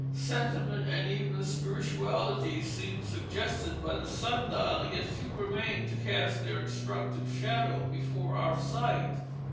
Sentiment and even spirituality seem suggested by the sun dial, yet few remain to cast their instructive shadow before our sight.